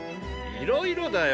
いろいろだよ。